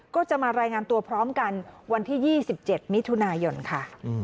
ก็จะมารายงานตัวพร้อมกันวันที่๒๗มิถุนายนค่ะ